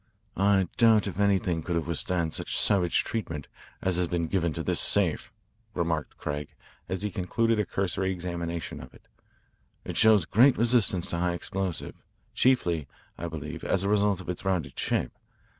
"I doubt if anything could have withstood such savage treatment as has been given to this safe," remarked Craig as he concluded a cursory examination of it. "It shows great resistance to high explosives, chiefly, I believe, as a result of its rounded shape.